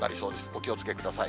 お気をつけください。